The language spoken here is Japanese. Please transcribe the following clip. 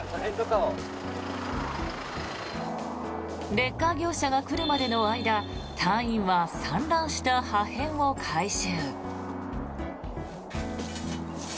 レッカー業者が来るまでの間隊員は散乱した破片を回収。